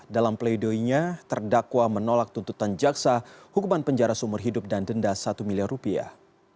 dalam pleidoinya terdakwa menolak tuntutan jaksa hukuman penjara sumur hidup dan denda satu miliar rupiah